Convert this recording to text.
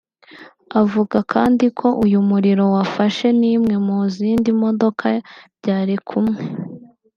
Avuga kandi ko uyu muriro wafashe n’imwe mu zindi modoka byari kumwe